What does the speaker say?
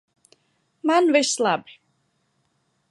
Man viss labi!